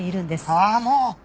ああもう！